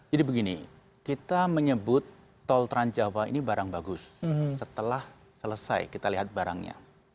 jadi begini kita menyebut tol trans jawa ini barang bagus setelah selesai kita lihat barangnya